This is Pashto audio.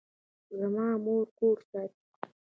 زما مور کور ساتي